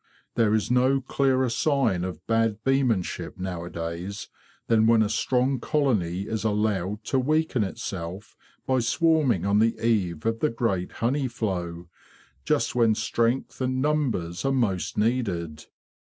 There is no clearer sign of bad beemanship nowadays than when a strong colony is allowed to weaken itself by swarming on the eve of the great honey flow, just when strength and numbers are most needed.